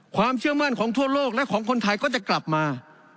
ความเชื่อมั่นของทั่วโลกและของคนไทยก็จะกลับมา